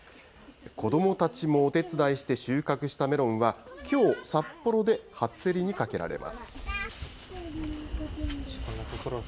子どもたちもお手伝いして収穫したメロンは、きょう、札幌で初競りにかけられます。